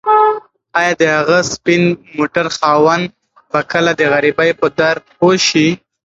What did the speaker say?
ایا د هغه سپین موټر خاوند به کله د غریبۍ په درد پوه شي؟